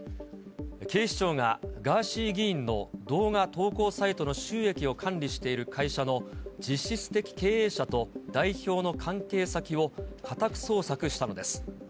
警視庁が、ガーシー議員の動画投稿サイトの収益を管理している会社の実質的経営者と代表の関係先を家宅捜索したのです。